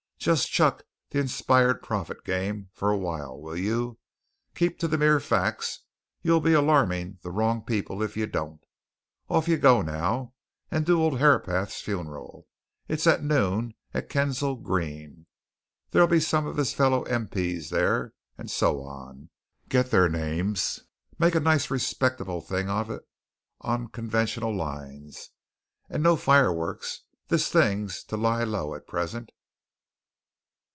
"Just chuck the inspired prophet game for a while, will you? Keep to mere facts; you'll be alarming the wrong people, if you don't. Off you go now! and do old Herapath's funeral it's at noon, at Kensal Green. There'll be some of his fellow M.P.'s there, and so on. Get their names make a nice, respectable thing of it on conventional lines. And no fireworks! This thing's to lie low at present."